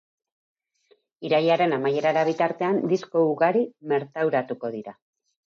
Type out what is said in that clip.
Irailaren amaierara bitartean disko ugari mertauratuko dira.